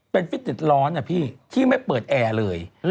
เป็นฟิตติดร้อนนะพี่ที่ไม่เปิดแอร์เลย